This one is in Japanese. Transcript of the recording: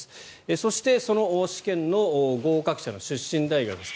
そして、その試験の合格者の出身大学です。